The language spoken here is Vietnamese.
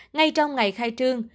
ngay trong ngày khai trương